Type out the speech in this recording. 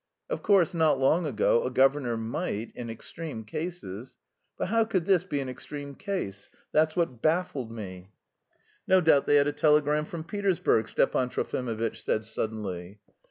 Of course not long ago a governor might, in extreme cases.... But how could this be an extreme case? That's what baffled me. "No doubt they had a telegram from Petersburg," Stepan Trofimovitch said suddenly.